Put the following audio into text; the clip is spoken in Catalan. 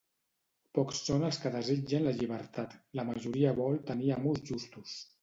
Pocs són els que desitgen la llibertat; la majoria vol tenir amos justos.